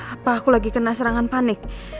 apa aku lagi kena serangan panik